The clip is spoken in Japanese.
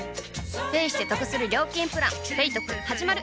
ペイしてトクする料金プラン「ペイトク」始まる！